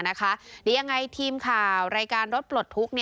นี่ยังไงทีมข่าวรายการรถปลดพุก